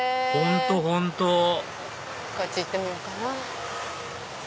本当本当こっち行ってみようかな。